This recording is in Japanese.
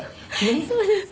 「そうですね。